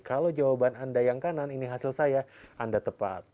kalau jawaban anda yang kanan ini hasil saya anda tepat